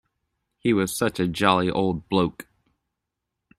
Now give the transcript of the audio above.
He was such a jolly old bloke.